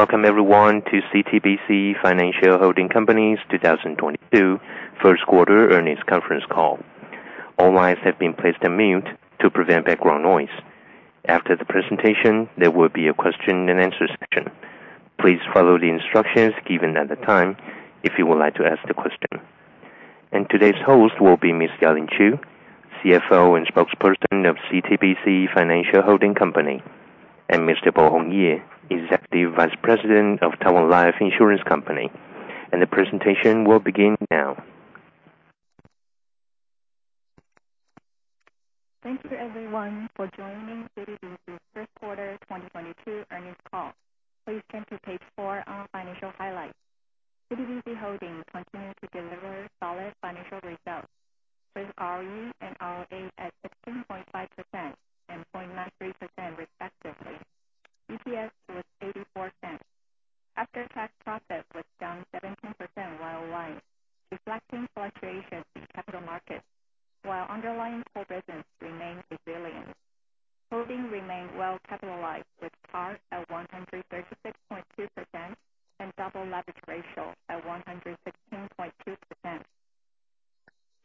Welcome everyone to CTBC Financial Holding Company's 2022 first quarter earnings conference call. All lines have been placed on mute to prevent background noise. After the presentation, there will be a question and answer session. Please follow the instructions given at the time if you would like to ask the question. Today's host will be Ms. Ya-Ling Chiu, CFO and spokesperson of CTBC Financial Holding Company, and Mr. Pai-Hung Yeh, Executive Vice President of Taiwan Life Insurance Co., and the presentation will begin now. Thank you everyone for joining CTBC first quarter 2022 earnings call. Please turn to page four on financial highlights. CTBC Holding continued to deliver solid financial results, with ROE and ROA at 15.5% and 0.93% respectively. EPS was 0.84. After-tax profit was down 17% year-over-year, reflecting fluctuations in capital markets, while underlying core business remained resilient. Holding remained well capitalized with CAR at 136.2% and double leverage ratio at 116.2%.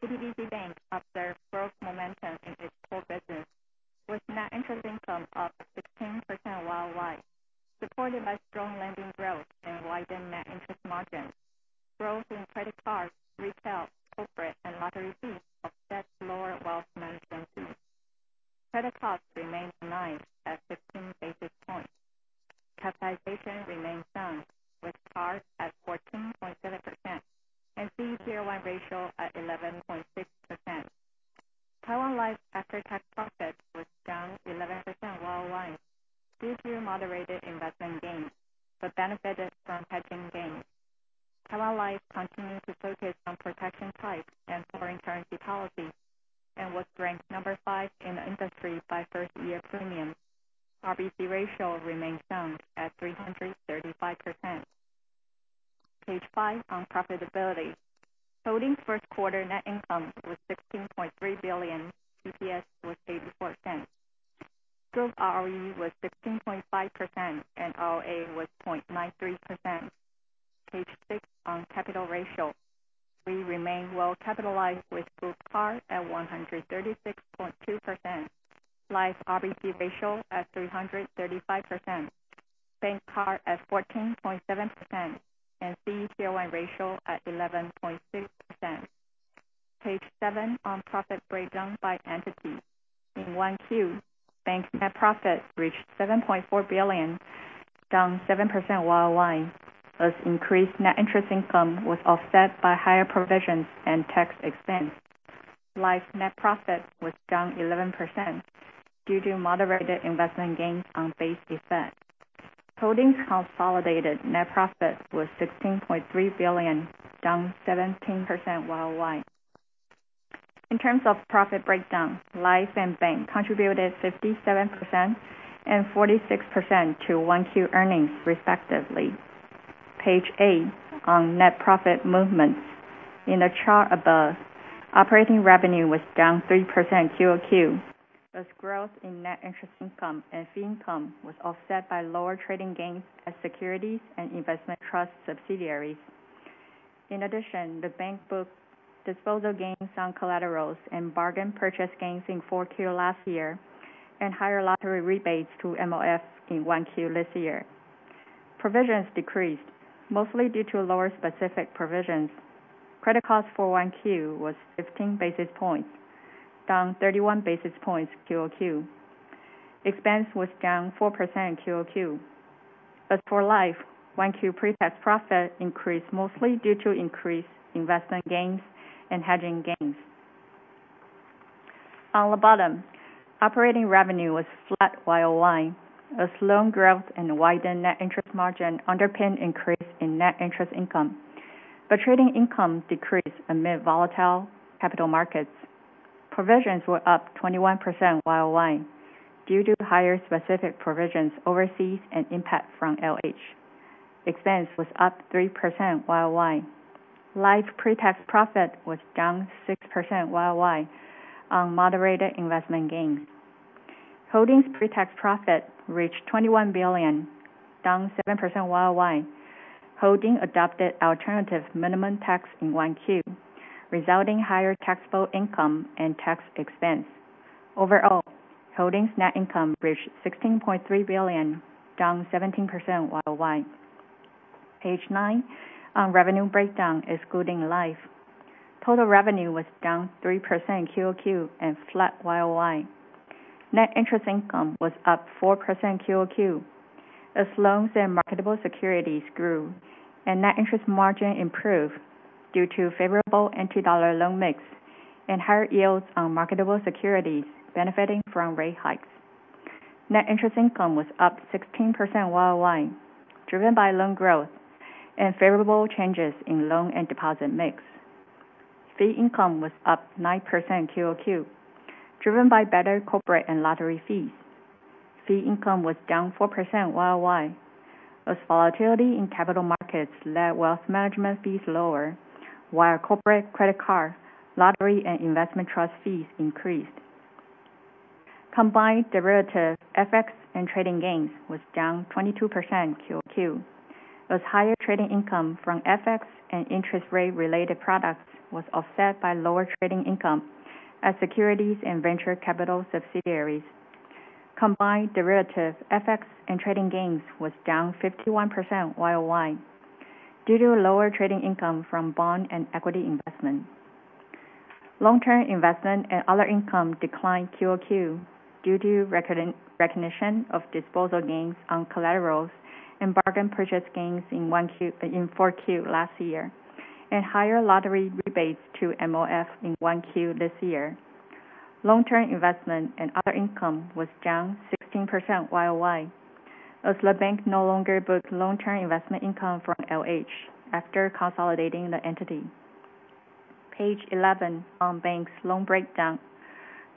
CTBC Bank observed growth momentum in its core business, with net interest income up on profit breakdown by entity. In 1Q, bank net profit reached 7.4 billion, down 7% year-over-year, as increased net interest income was offset by higher provisions and tax expense. Life net profit was down 11% due to moderated investment gains on base effect. Holding consolidated net profit was 16.3 billion, down 17% year-over-year. In terms of profit breakdown, Life and Bank contributed 57% and 46% to 1Q earnings respectively. Page eight on net profit movements. In the chart above, operating revenue was down 3% quarter-over-quarter, as growth in net interest income and fee income was offset by lower trading gains at securities and investment trust subsidiaries. In addition, the bank booked disposal gains on collaterals and bargain purchase gains in 4Q last year and higher lottery rebates to MOF in 1Q this year. Provisions decreased mostly due to lower specific provisions. Credit costs for 1Q was 15 basis points, down 31 basis points quarter-over-quarter. Expense was down 4% quarter-over-quarter. As for Life, 1Q pre-tax profit increased mostly due to increased investment gains and hedging gains. On the bottom, operating revenue was flat year-over-year as loan growth and widened net interest margin underpinned increase in net interest income. Trading income decreased amid volatile capital markets. Provisions were up 21% YOY due to higher specific provisions overseas and impact from LH. Expense was up 3% YOY. Life pre-tax profit was down 6% YOY on moderated investment gains. Holdings' pre-tax profit reached 21 billion, down 7% YOY. Holding adopted alternative minimum tax in one Q, resulting higher taxable income and tax expense. Overall, Holdings net income reached 16.3 billion, down 17% YOY. Page 9 on revenue breakdown excluding Life. Total revenue was down 3% QOQ and flat YOY. Net interest income was up 4% QOQ as loans and marketable securities grew and net interest margin improved due to favorable NT dollar loan mix and higher yields on marketable securities benefiting from rate hikes. Net interest income was up 16% YOY, driven by loan growth and favorable changes in loan and deposit mix. Fee income was up 9% QOQ, driven by better corporate and lottery fees. Fee income was down 4% YOY as volatility in capital markets led wealth management fees lower, while corporate credit card, lottery, and investment trust fees increased. Combined derivative FX and trading gains was down 22% QOQ, as higher trading income from FX and interest rate related products was offset by lower trading income at securities and venture capital subsidiaries. Combined derivative FX and trading gains was down 51% YOY due to lower trading income from bond and equity investment. Long-term investment and other income declined QOQ due to recognition of disposal gains on collaterals and bargain purchase gains in four Q last year, and higher lottery rebates to MOF in one Q this year. Long-term investment and other income was down 16% YOY as the bank no longer books long-term investment income from LH after consolidating the entity. Page 11 on banks loan breakdown.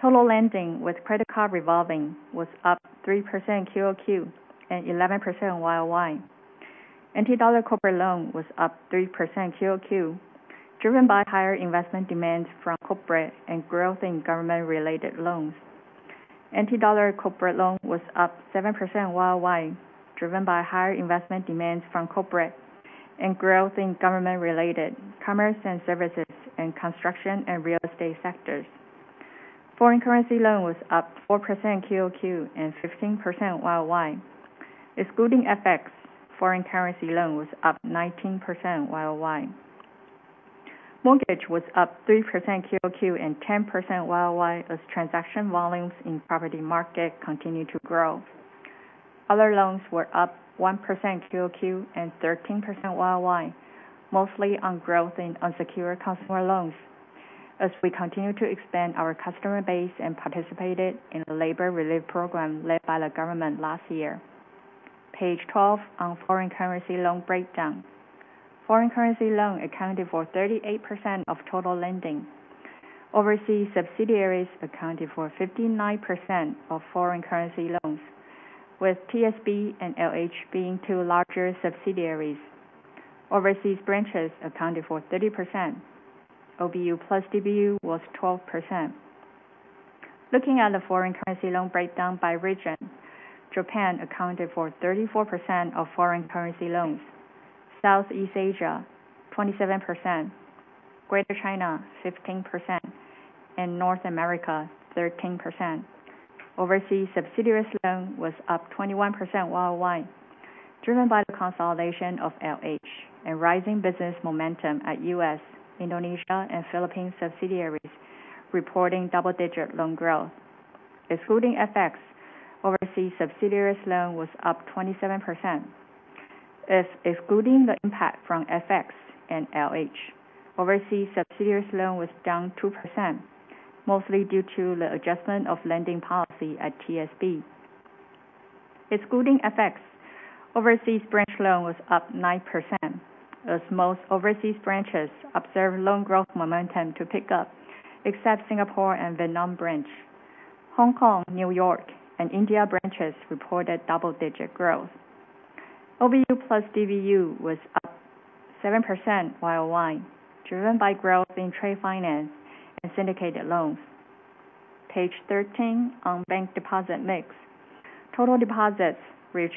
Total lending with credit card revolving was up 3% QOQ and 11% YOY. NT dollar corporate loan was up 3% QOQ, driven by higher investment demands from corporate and growth in government related loans. NT dollar corporate loan was up 7% YOY, driven by higher investment demands from corporate and growth in government related commerce and services and construction and real estate sectors. Foreign currency loan was up 4% QOQ and 15% YOY. Excluding FX, foreign currency loan was up 19% YOY. Mortgage was up 3% QOQ and 10% YOY as transaction volumes in property market continued to grow. Other loans were up 1% QOQ and 13% YOY, mostly on growth in unsecured consumer loans, as we continued to expand our customer base and participated in the labor relief program led by the government last year. Page 12 on foreign currency loan breakdown. Foreign currency loan accounted for 38% of total lending. Overseas subsidiaries accounted for 59% of foreign currency loans, with TSB and LH being two larger subsidiaries. Overseas branches accounted for 30%. OBU plus DBU was 12%. Looking at the foreign currency loan breakdown by region, Japan accounted for 34% of foreign currency loans, Southeast Asia 27%, Greater China 15%, and North America 13%. Overseas subsidiaries loan was up 21% YOY, driven by the consolidation of LH and rising business momentum at U.S., Indonesia, and Philippines subsidiaries reporting double digit loan growth. Excluding FX, overseas subsidiaries loan was up 27%. Excluding the impact from FX and LH, overseas subsidiaries loan was down 2%, mostly due to the adjustment of lending policy at TSB. Excluding FX, overseas branch loan was up 9%, as most overseas branches observed loan growth momentum to pick up except Singapore and Vietnam branch. Hong Kong, New York, and India branches reported double digit growth. OBU plus DBU was up 7% YOY, driven by growth in trade finance and syndicated loans. Page 13 on bank deposit mix. Total deposits reached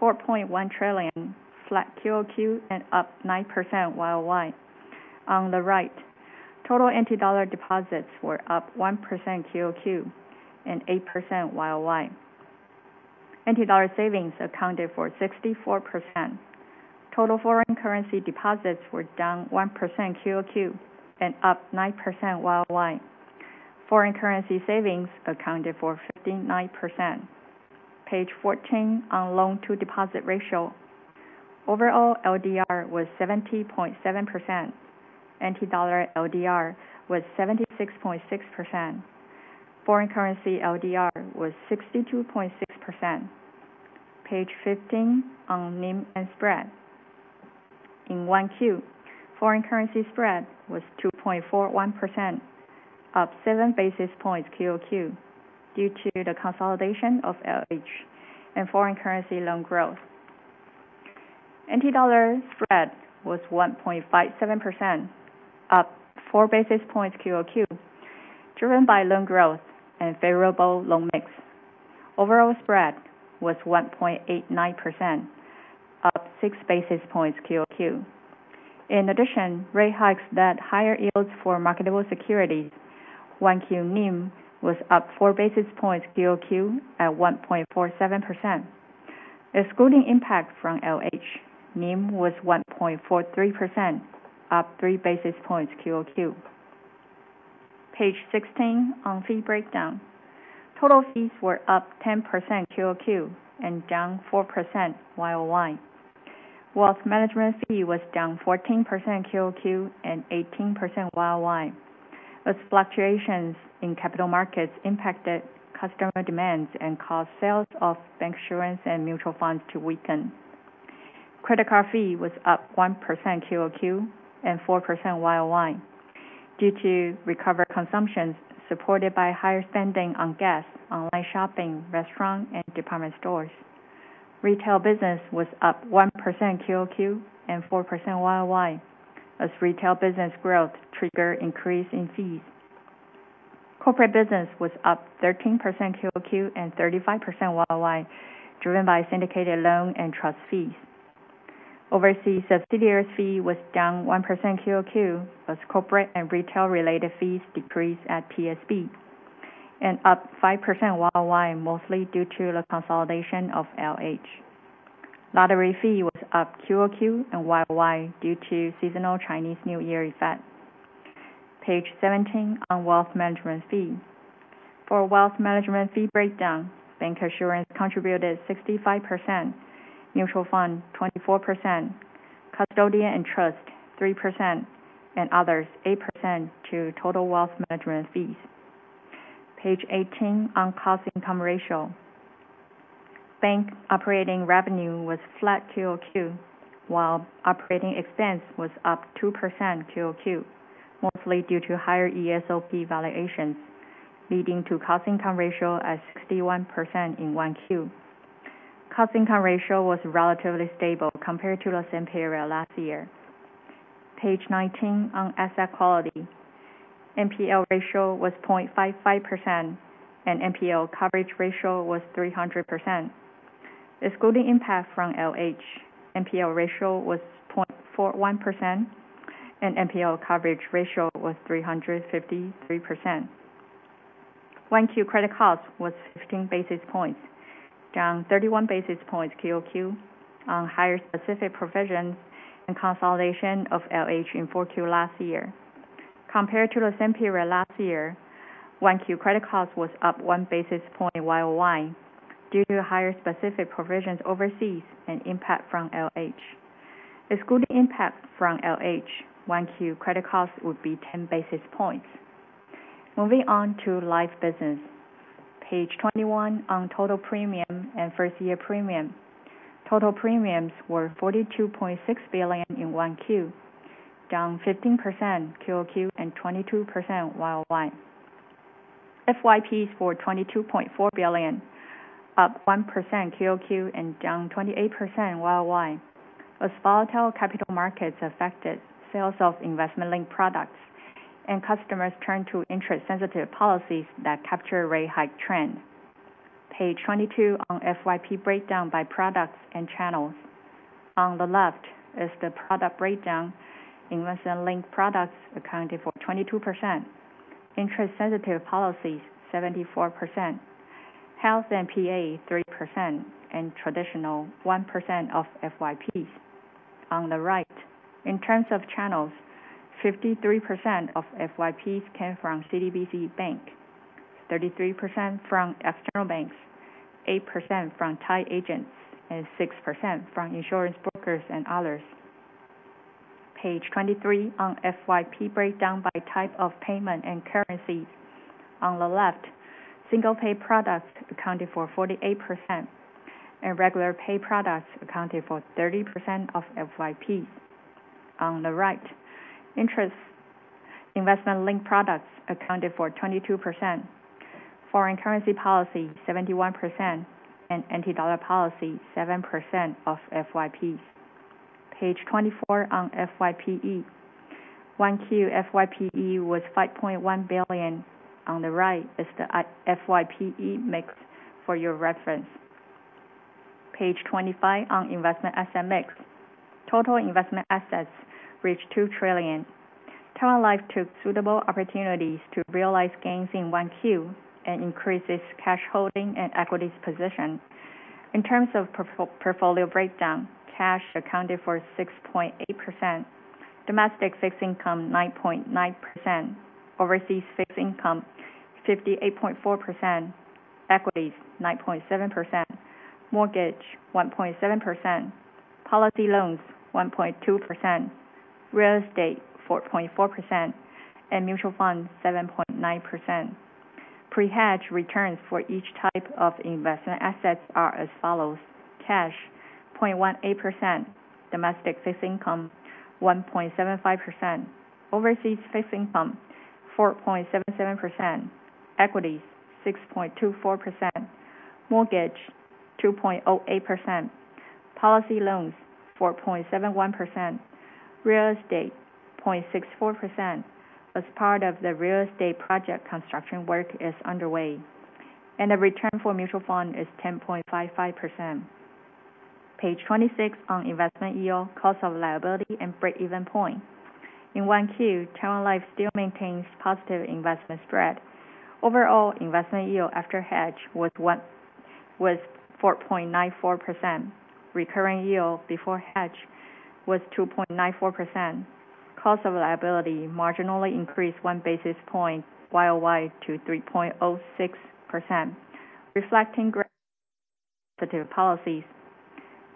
4.1 trillion, flat QOQ and up 9% YOY. On the right, total anti-dollar deposits were up 1% QOQ and 8% YOY. Anti-dollar savings accounted for 64%. Total foreign currency deposits were down 1% QOQ and up 9% YOY. Foreign currency savings accounted for 59%. Page 14 on loan-to-deposit ratio. Overall, LDR was 70.7%. Anti-dollar LDR was 76.6%. Foreign currency LDR was 62.6%. Page 15 on NIM and spread. In 1Q, foreign currency spread was 2.41%, up seven basis points QOQ, due to the consolidation of LH and foreign currency loan growth. Anti-dollar spread was 1.57%, up four basis points QOQ, driven by loan growth and favorable loan mix. Overall spread was 1.89%, up six basis points QOQ. In addition, rate hikes led higher yields for marketable securities. 1Q NIM was up four basis points QOQ at 1.47%. Excluding impact from LH, NIM was 1.43%, up three basis points QOQ. Page 16 on fee breakdown. Total fees were up 10% QOQ and down 4% YOY. Whilst management fee was down 14% QOQ and 18% YOY, as fluctuations in capital markets impacted customer demands and caused sales of bank insurance and mutual funds to weaken. Credit card fee was up 1% QOQ and 4% YOY due to recovered consumptions supported by higher spending on gas, online shopping, restaurant, and department stores. Retail business was up 1% QOQ and 4% YOY as retail business growth triggered increase in fees. Corporate business was up 13% QOQ and 35% YOY, driven by syndicated loan and trust fees. Overseas subsidiaries fee was down 1% QOQ, as corporate and retail-related fees decreased at TSB, and up 5% YOY, mostly due to the consolidation of LH. Lottery fee was up QOQ and YOY due to seasonal Chinese New Year effect. Page 17 on wealth management fee. For wealth management fee breakdown, bancassurance contributed 65%, mutual fund 24%, custodian and trust 3%, and others 8% to total wealth management fees. Page 18 on cost income ratio. Bank operating revenue was flat QOQ while operating expense was up 2% QOQ, mostly due to higher ESOP valuations, leading to cost income ratio at 61% in 1Q. Cost income ratio was relatively stable compared to the same period last year. Page 19 on asset quality. NPL ratio was 0.55%, and NPL coverage ratio was 300%. Excluding impact from LH, NPL ratio was 0.41%, and NPL coverage ratio was 353%. 1Q credit cost was 15 basis points, down 31 basis points QOQ on higher specific provisions and consolidation of LH in 4Q last year. Compared to the same period last year, 1Q credit cost was up one basis point YOY due to higher specific provisions overseas and impact from LH. Excluding impact from LH, 1Q credit cost would be 10 basis points. Moving on to life business. Page 21 on total premium and first-year premium. Total premiums were 42.6 billion in one Q, down 15% QOQ and 22% YOY. FYPs for 22.4 billion, up 1% QOQ and down 28% YOY as volatile capital markets affected sales of investment-linked products and customers turned to interest-sensitive policies that capture rate hike trend. Page 22 on FYP breakdown by products and channels. On the left is the product breakdown. Investment-linked products accounted for 22%, interest-sensitive policies 74%, health and PA 3%, and traditional 1% of FYPs. On the right, in terms of channels, 53% of FYPs came from CTBC Bank, 33% from external banks, 8% from tied agents, and 6% from insurance brokers and others. Page 23 on FYP breakdown by type of payment and currencies. On the left, single-pay products accounted for 48%, and regular pay products accounted for 30% of FYP. On the right, investment-linked products accounted for 22%, foreign currency policy 71%, and NT dollar policy 7% of FYPs. Page 24 on FYPE. One Q FYPE was 5.1 billion. On the right is the FYPE mix for your reference. Page 25 on investment asset mix. Total investment assets reached 2 trillion Taiwan dollars. Taiwan Life took suitable opportunities to realize gains in one Q and increase its cash holding and equities position. In terms of portfolio breakdown, cash accounted for 6.8%, domestic fixed income 9.9%, overseas fixed income 58.4%, equities 9.7%, mortgage 1.7%, policy loans 1.2%, real estate 4.4%, and mutual funds 7.9%. Pre-hedge returns for each type of investment assets are as follows: cash, 0.18%, domestic fixed income 1.75%, overseas fixed income 4.77%, equities 6.24%, mortgage 2.08%, policy loans 4.71%, real estate 0.64%, as part of the real estate project construction work is underway, and the return for mutual fund is 10.55%. Page 26 on investment yield, cost of liability, and break-even point. In one Q, Taiwan Life still maintains positive investment spread. Overall investment yield after hedge was 4.94%. Recurring yield before hedge was 2.94%. Cost of liability marginally increased one basis point YOY to 3.06%, reflecting great policies.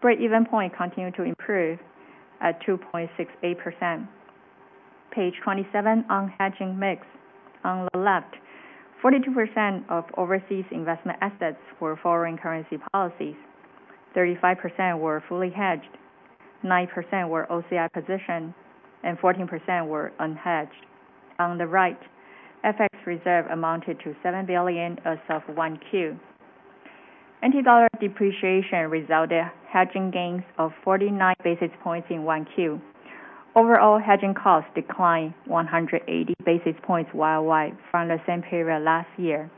Break-even point continued to improve at 2.68%. Page 27 on hedging mix. On the left, 42% of overseas investment assets were foreign currency policies, 35% were fully hedged. 9% were OCI position and 14% were unhedged. On the right, FX reserve amounted to 7 billion as of one quarter. NT dollar depreciation resulted hedging gains of 49 basis points in one quarter. Overall hedging costs declined 180 basis points year-on-year from the same period last year.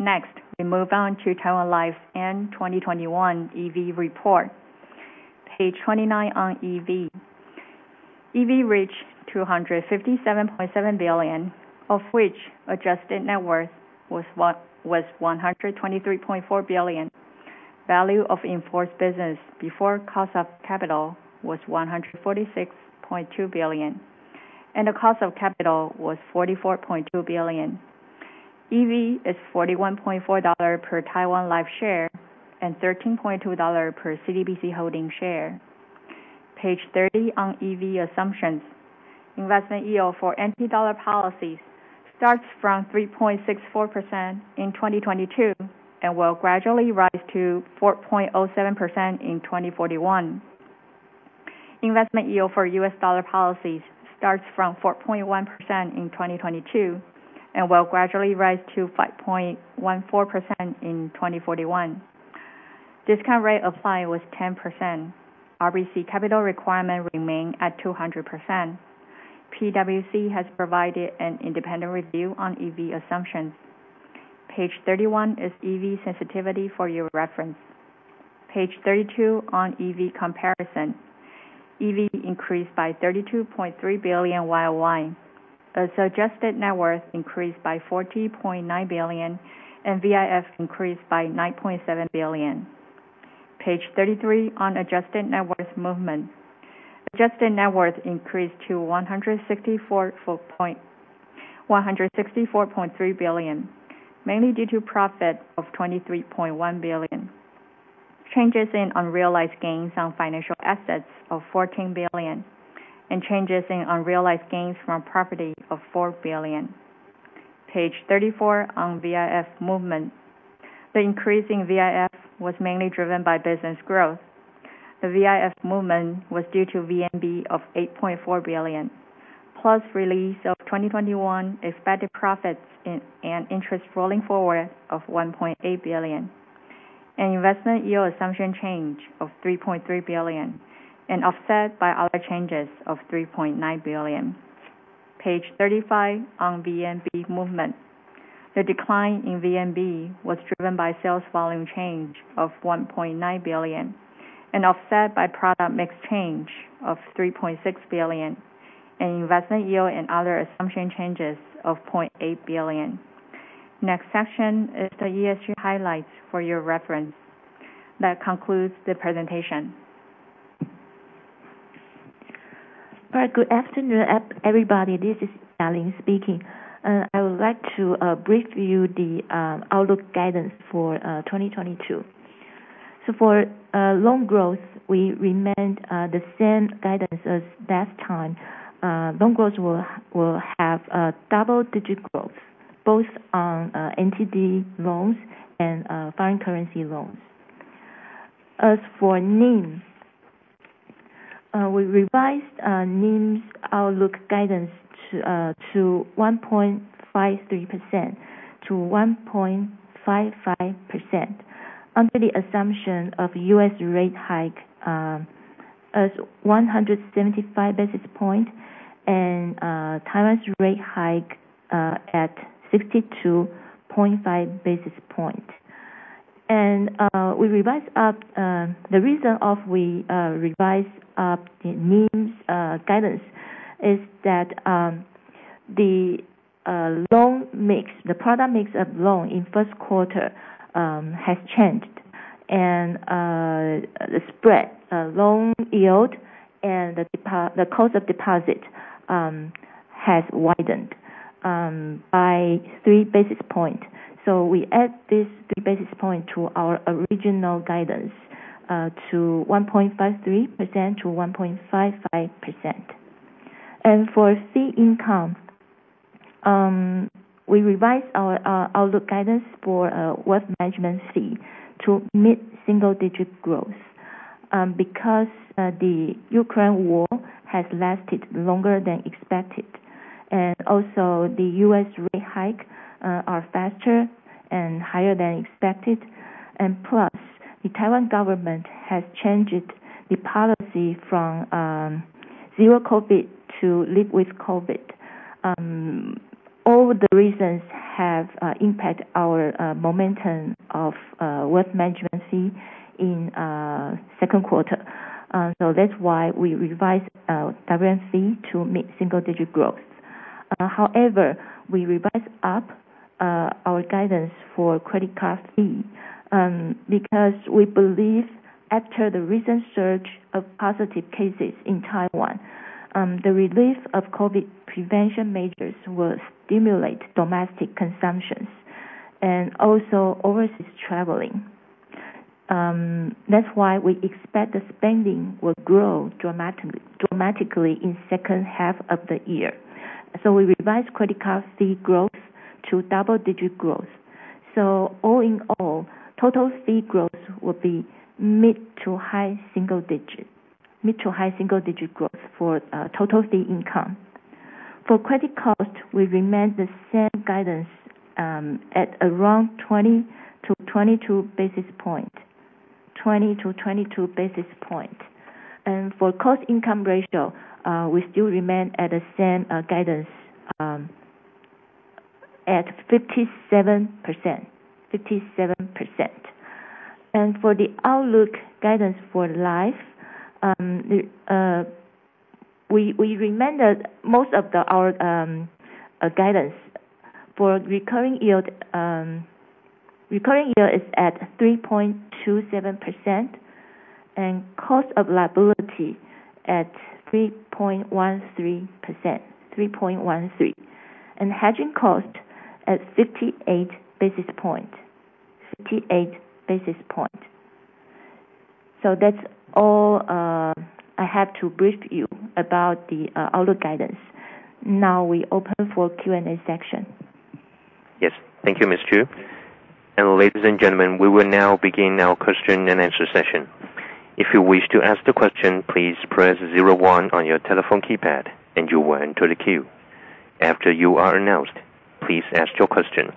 Next, we move on to Taiwan Life and 2021 EV report. Page 29 on EV. EV reached 257.7 billion, of which adjusted net worth was 123.4 billion. Value of in-force business before cost of capital was 146.2 billion, and the cost of capital was 44.2 billion. EV is 41.4 dollars per Taiwan Life share and 13.2 dollars per CTBC Holding share. Page 30 on EV assumptions. Investment yield for NT dollar policies starts from 3.64% in 2022 and will gradually rise to 4.07% in 2041. Investment yield for US dollar policies starts from 4.1% in 2022 and will gradually rise to 5.14% in 2041. Discount rate applied was 10%. RBC capital requirement remained at 200%. PwC has provided an independent review on EV assumptions. Page 31 is EV sensitivity for your reference. Page 32 on EV comparison. EV increased by 32.3 billion year-on-year. The suggested net worth increased by 40.9 billion and VIF increased by 9.7 billion. Page 33 on adjusted net worth movement. Adjusted net worth increased to 164.3 billion, mainly due to profit of 23.1 billion. Changes in unrealized gains on financial assets of 14 billion, and changes in unrealized gains from property of 4 billion. Page 34 on VIF movement. The increase in VIF was mainly driven by business growth. The VIF movement was due to VNB of 8.4 billion, plus release of 2021 expected profits and interest rolling forward of 1.8 billion. Investment yield assumption change of 3.3 billion and offset by other changes of 3.9 billion. Page 35 on VNB movement. The decline in VNB was driven by sales volume change of 1.9 billion and offset by product mix change of 3.6 billion, and investment yield and other assumption changes of 0.8 billion. Next section is the ESG highlights for your reference. That concludes the presentation. All right. Good afternoon, everybody. This is Ya-Ling speaking. I would like to brief you the outlook guidance for 2022. For loan growth, we remained the same guidance as that time. Loan growth will have double-digit growth, both on NTD loans and foreign currency loans. As for NIM, we revised NIM's outlook guidance to 1.53%-1.55% under the assumption of U.S. rate hike as 175 basis points and Taiwan's rate hike at 62.5 basis points. The reason we revised up the NIM's guidance is that the product mix of loan in first quarter has changed and the spread, loan yield and the cost of deposit has widened by three basis points. We add this three basis points to our original guidance to 1.53%-1.55%. For fee income, we revised our outlook guidance for wealth management fee to mid-single digit growth, because the Ukraine war has lasted longer than expected. The U.S. rate hike are faster and higher than expected. Plus, the Taiwan government has changed the policy from zero COVID to live with COVID. All the reasons have impact our momentum of wealth management fee in second quarter. That's why we revised WM fee to mid-single digit growth. However, we revised up our guidance for credit card fee, because we believe after the recent surge of positive cases in Taiwan, the relief of COVID prevention measures will stimulate domestic consumptions and also overseas traveling. That's why we expect the spending will grow dramatically in second half of the year. We revised credit card fee growth to double-digit growth. All in all, total fee growth will be mid to high single digit. Mid to high single digit growth for total fee income. For credit cost, we remain the same guidance at around 20-22 basis points. 20-22 basis points. For cost income ratio, we still remain at the same guidance, at 57%. 57%. For the outlook guidance for life, we remained most of our guidance. For recurring yield, recurring yield is at 3.27%, and cost of liability at 3.13%. 3.13%. Hedging cost at 58 basis points. 58 basis points. That's all I have to brief you about the outlook guidance. Now we open for Q&A section. Yes. Thank you, Ms. Chiu. Ladies and gentlemen, we will now begin our question and answer session. If you wish to ask the question, please press 01 on your telephone keypad and you will enter the queue. After you are announced, please ask your question.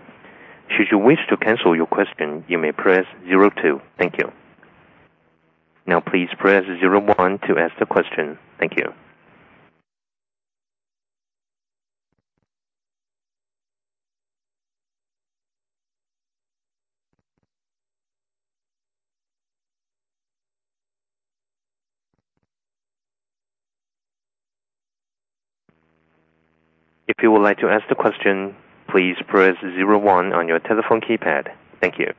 Should you wish to cancel your question, you may press 02. Thank you. Please press 01 to ask the question. Thank you. If you would like to ask the question, please press 01 on your telephone keypad. Thank you.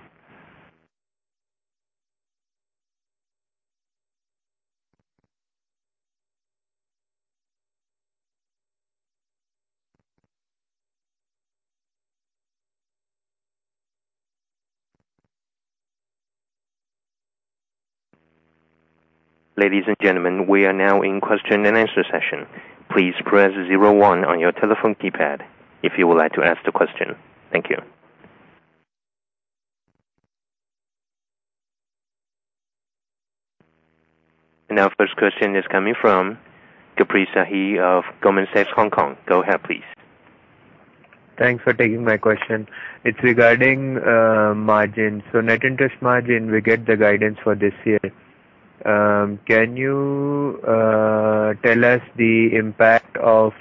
Ladies and gentlemen, we are now in question and answer session. Please press 01 on your telephone keypad if you would like to ask the question. Thank you. Our first question is coming from Caprice Ahie of Goldman Sachs Hong Kong. Go ahead, please. Thanks for taking my question. It is regarding margins. Net interest margin, we get the guidance for this year. Can you tell us the impact of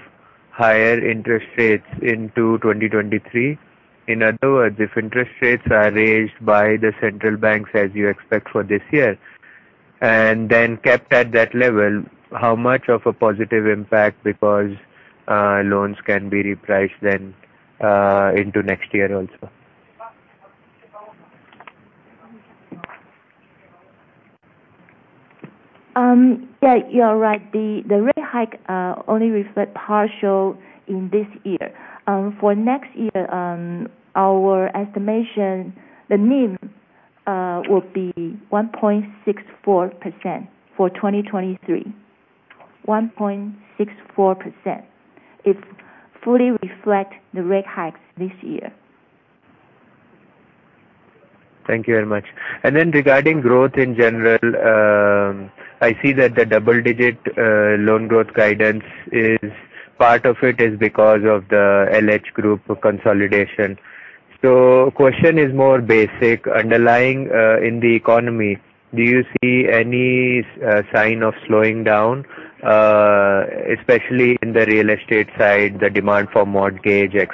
higher interest rates into 2023? In other words, if interest rates are raised by the central banks as you expect for this year, then kept at that level, how much of a positive impact because loans can be repriced into next year also? You are right. The rate hike only reflect partial in this year. For next year, our estimation, the NIM, will be 1.64% for 2023. 1.64%. It fully reflect the rate hikes this year. Thank you very much. Regarding growth in general, I see that the double-digit loan growth guidance, part of it is because of the LH Financial Group consolidation. Question is more basic. Underlying in the economy, do you see any sign of slowing down, especially in the real estate side, the demand for mortgage, et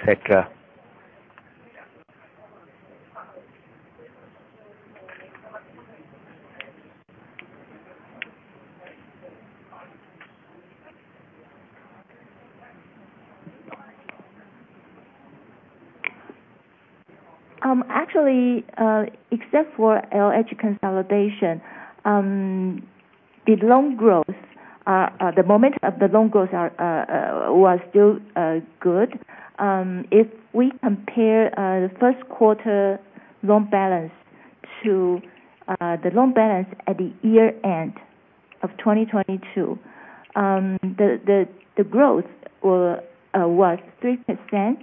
cetera? Except for LH consolidation, the momentum of the loan growth was still good. If we compare the first quarter loan balance to the loan balance at the year-end of 2022, the growth was 3%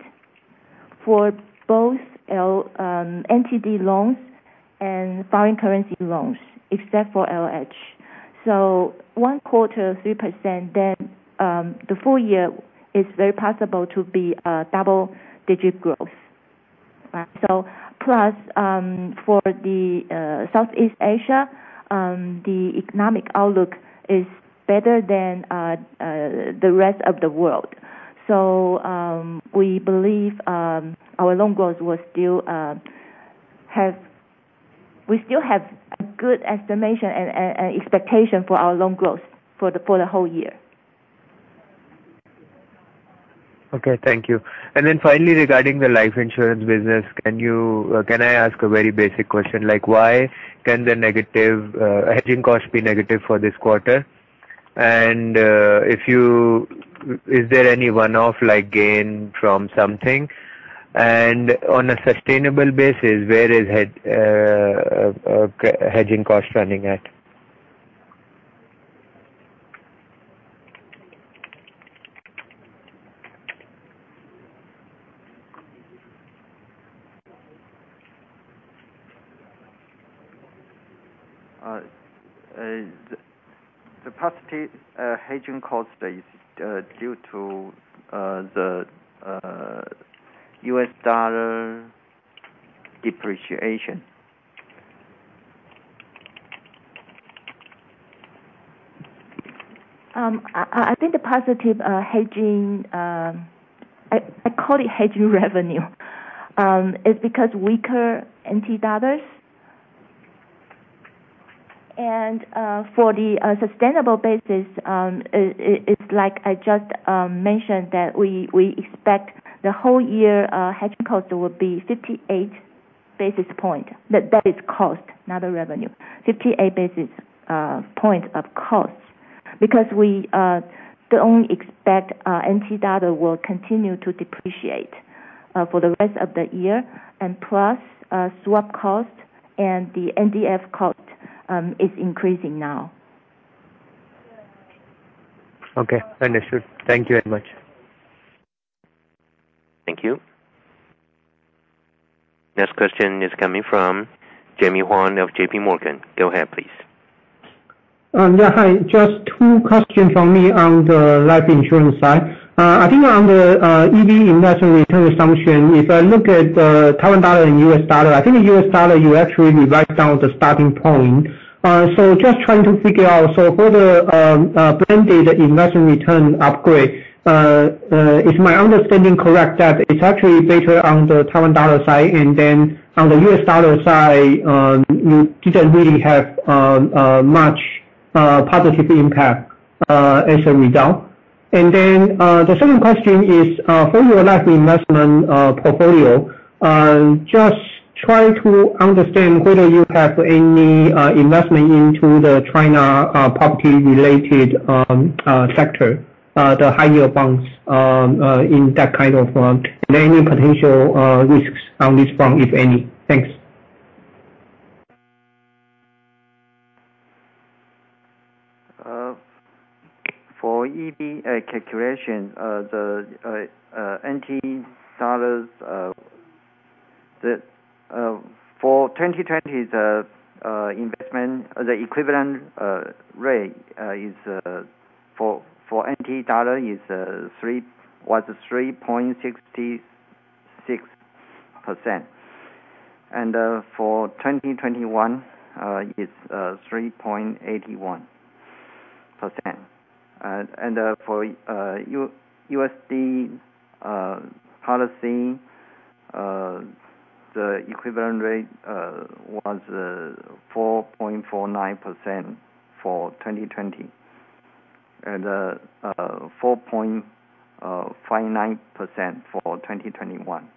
for both NTD loans and foreign currency loans, except for LH. One quarter, 3%, then the full year is very possible to be a double-digit growth. Plus, for the Southeast Asia, the economic outlook is better than the rest of the world. We believe, we still have a good estimation and expectation for our loan growth for the whole year. Okay. Thank you. Finally, regarding the life insurance business, can I ask a very basic question? Why can the hedging cost be negative for this quarter? Is there any one-off gain from something? On a sustainable basis, where is hedging cost running at? The positive hedging cost is due to the US dollar depreciation. I think the positive hedging, I call it hedging revenue, is because weaker NT dollars. For the sustainable basis, it's like I just mentioned that we expect the whole year hedging cost will be 58 basis points. That is cost, not revenue. 58 basis points of cost. Because we don't expect NT dollar will continue to depreciate for the rest of the year, plus swap cost and the NDF cost is increasing now. Okay, understood. Thank you very much. Thank you. Next question is coming from Jimmy Huang of JP Morgan. Go ahead, please. Hi. Just two questions from me on the life insurance side. I think on the EV investment return assumption, if I look at the Taiwan dollar and US dollar, I think the US dollar, you actually revised down the starting point. Just trying to figure out, for the blended investment return upgrade, is my understanding correct that it's actually better on the Taiwan dollar side and on the US dollar side, you didn't really have much positive impact as a result? The second question is for your life investment portfolio, just trying to understand whether you have any investment into the China property-related sector, the high-yield bonds in that kind of Are there any potential risks on this bond, if any? Thanks. For EV calculation, for 2020, the equivalent rate for NT dollar was 3.66%. For 2021, it's 3.81%. For USD policy, the equivalent rate was 4.49% for 2020, and 4.59% for 2021.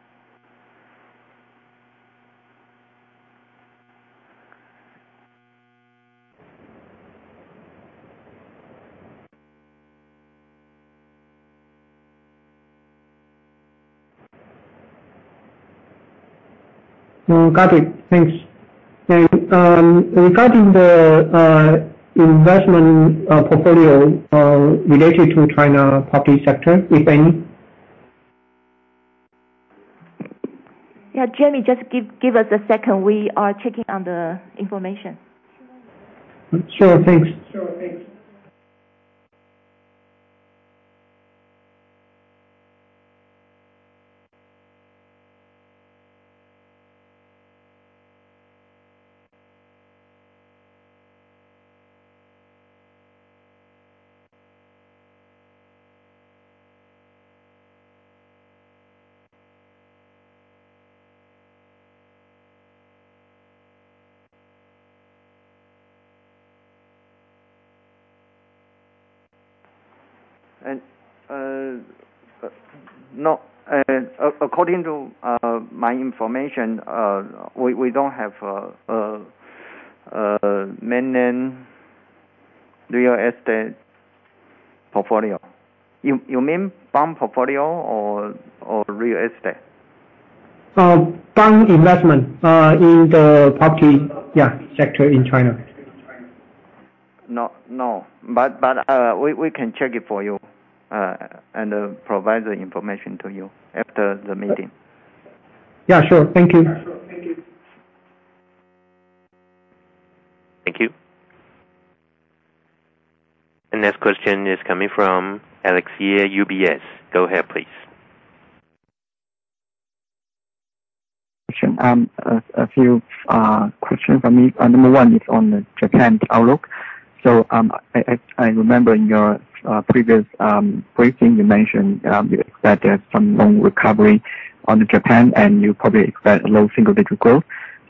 Got it. Thanks. Regarding the investment portfolio related to China property sector, if any? Yeah, Jimmy, just give us a second. We are checking on the information. Sure, thanks. According to my information, we don't have mainland real estate portfolio. You mean bond portfolio or real estate? Bond investment in the property sector in China. No, we can check it for you and provide the information to you after the meeting. Sure. Thank you. Thank you. The next question is coming from Alex Ye, UBS. Go ahead, please. A few questions from me. Number one is on the Japan outlook. I remember in your previous briefing, you mentioned you expect some loan recovery on Japan, and you probably expect low single-digit growth.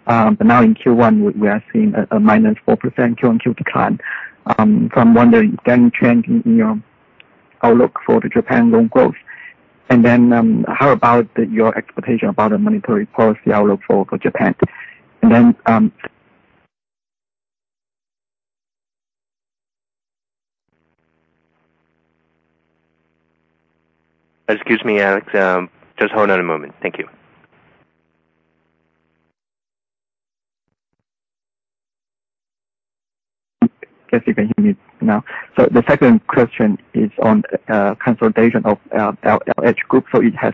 Now in Q1, we are seeing a -4% QOQ decline. I'm wondering, any change in your outlook for the Japan loan growth? How about your expectation about the monetary policy outlook for Japan? Excuse me, Alex. Just hold on a moment. Thank you. Guess you can hear me now. The second question is on consolidation of LH Group. It has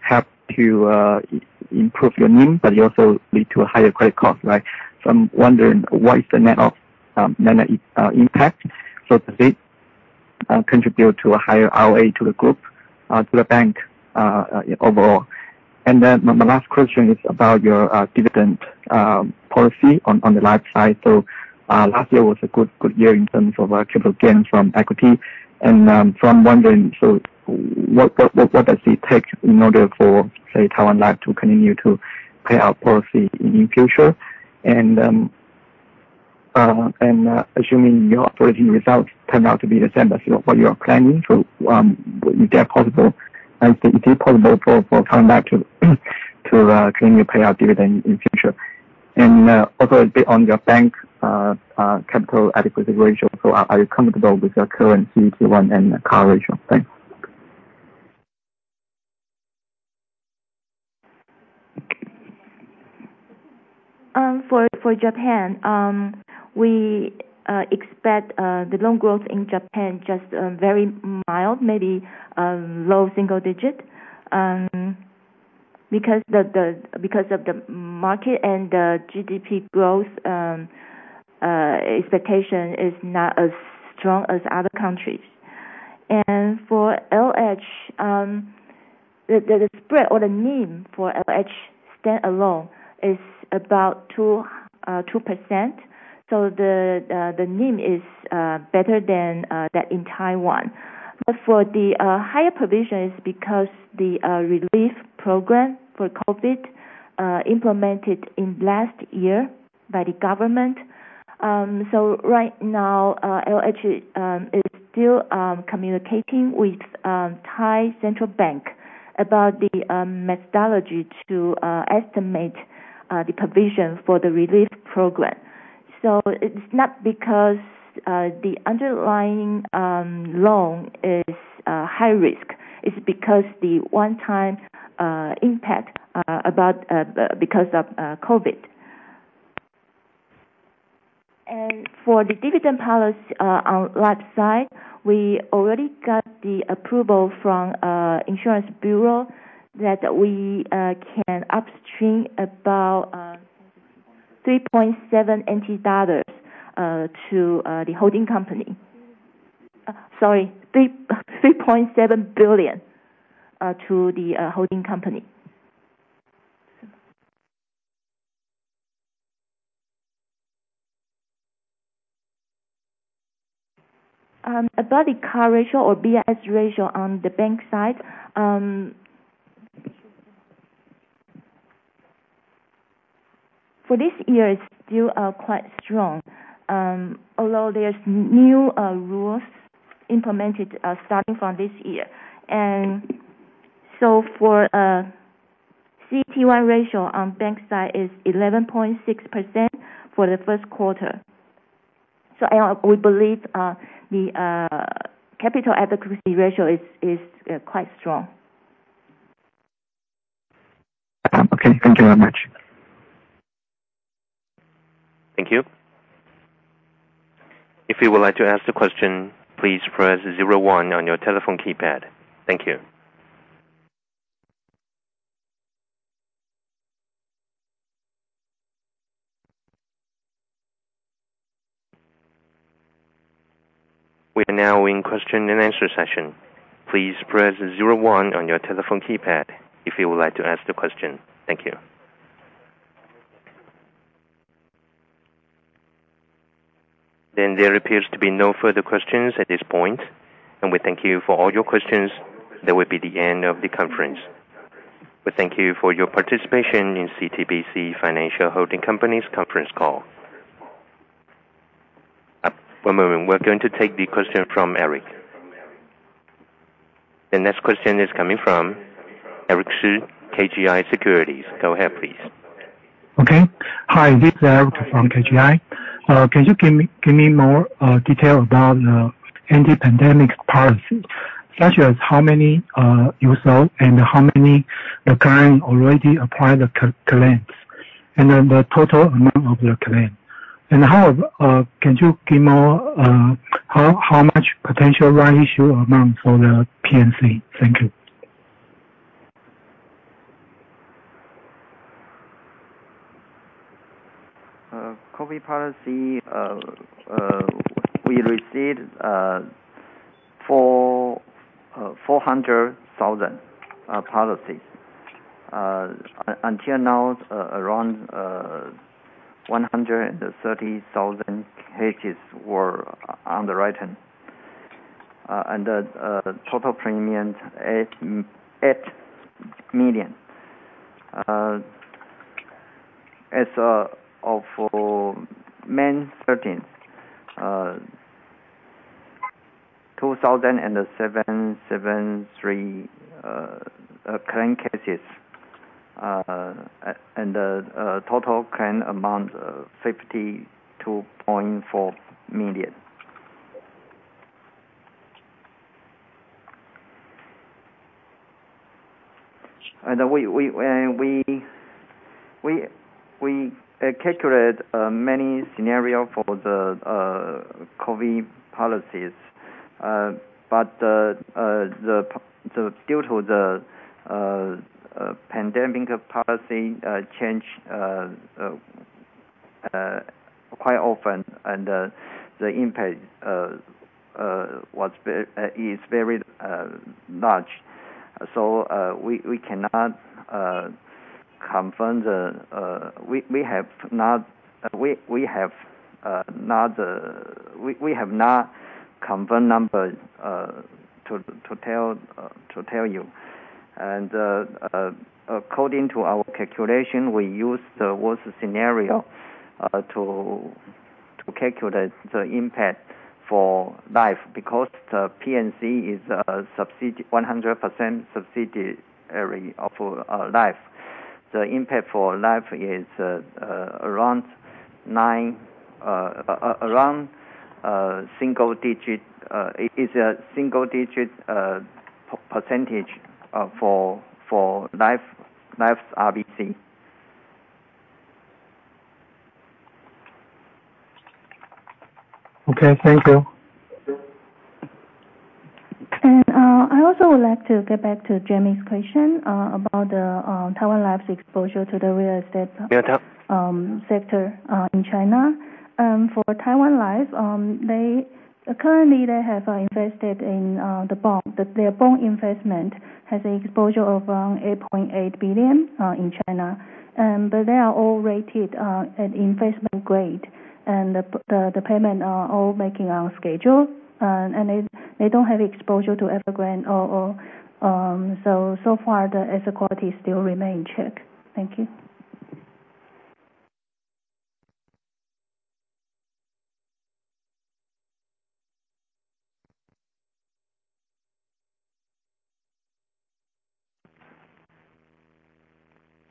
helped to improve your NIM, but it also led to a higher credit cost, right? I'm wondering, what is the net impact? Does it contribute to a higher ROA to the group, to the bank overall? My last question is about your dividend policy on the life side. Last year was a good year in terms of capital gains from equity. I'm wondering, what does it take in order for, say, Taiwan Life to continue to pay out policy in future? Assuming your operating results turn out to be the same as what you are planning, is it possible for Taiwan Life to claim your payout dividend in future? Also a bit on your bank capital adequacy ratio. Are you comfortable with your current CET1 and CAR ratio? Thanks. For Japan, we expect the loan growth in Japan just very mild, maybe low single digit. Because of the market and the GDP growth expectation is not as strong as other countries. For LH, the spread or the NIM for LH stand alone is about 2%. The NIM is better than that in Taiwan. For the higher provision is because the relief program for COVID implemented in last year by the government. Right now, LH is still communicating with Bank of Thailand about the methodology to estimate the provision for the relief program. It's not because the underlying loan is high risk. It's because the one time impact because of COVID. For the dividend policy on life side, we already got the approval from Insurance Bureau that we can upstream about 3.7 NT dollars to the holding company. Sorry, 3.7 billion to the holding company. About the CAR ratio or BIS ratio on the bank side. For this year, it's still quite strong, although there's new rules implemented starting from this year. For CET1 ratio on bank side is 11.6% for the first quarter. We believe the capital adequacy ratio is quite strong. Okay. Thank you very much. Thank you. If you would like to ask the question, please press zero one on your telephone keypad. Thank you. We are now in question and answer session. Please press zero one on your telephone keypad if you would like to ask the question. Thank you. There appears to be no further questions at this point. We thank you for all your questions. That would be the end of the conference. We thank you for your participation in CTBC Financial Holding Company's conference call. One moment. We're going to take the question from Eric. The next question is coming from Eric Shi, KGI Securities. Go ahead, please. Okay. Hi, this is Eric Shi from KGI. Can you give me more detail about the anti-pandemic policy, such as how many you sold and how many the client already applied the claims, then the total amount of the claim? Can you give more how much potential right issue amount for the P&C? Thank you. COVID policy, we received 400,000 policies. Until now, around 130,000 cases were on the right hand. The total premiums, TWD 8 million. As of May 13th, 2,773 claim cases, the total claim amount, TWD 52.4 million. We calculate many scenarios for the COVID policies. Due to the pandemic policy change quite often and the impact is very large, we have not confirmed numbers to tell you. According to our calculation, we use the worst scenario to calculate the impact for life, because the P&C is 100% subsidy area for life. The impact for life is around single digit. It is a single-digit percentage for life RBC. Okay. Thank you. I also would like to get back to Jimmy's question about the Taiwan Life's exposure to the real estate- Yeah sector in China. For Taiwan Life, currently they have invested in the bond. Their bond investment has an exposure of around 8.8 billion in China. They are all rated at investment grade, and the payment are all making on schedule. They don't have exposure to Evergrande at all. The asset quality still remain check. Thank you.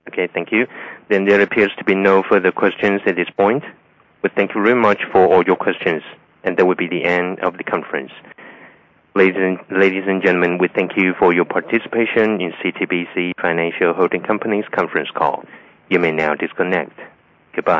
Okay. Thank you. There appears to be no further questions at this point. We thank you very much for all your questions, and that will be the end of the conference. Ladies and gentlemen, we thank you for your participation in CTBC Financial Holding Company's conference call. You may now disconnect. Goodbye.